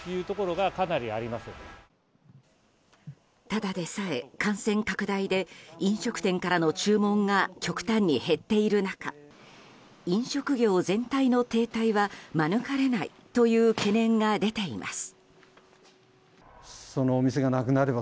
ただでさえ感染拡大で飲食店からの注文が極端に減っている中飲食業全体の停滞は免れないという懸念が出ています。